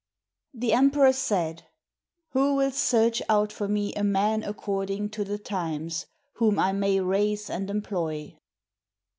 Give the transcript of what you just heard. ] The emperor said, "Who will search out for me a man according to the times, whom I may raise and employ?"